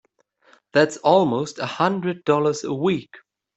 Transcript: That's almost a hundred dollars a week!